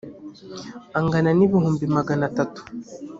angana n ibihumbi magana atatu